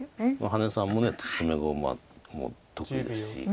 羽根さんも詰碁もう得意ですし。